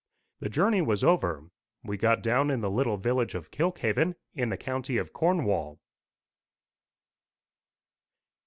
The journey was over. We got down in the little village of Kilkhaven, in the county of Cornwall.